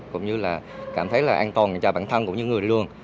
cũng như là cảm thấy là an toàn cho bản thân cũng như người đi đường